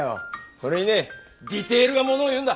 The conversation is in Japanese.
それにねディテールが物を言うんだ。